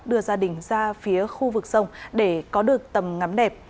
đưa gia đình ra phía khu vực sông để có được tầm ngắm đẹp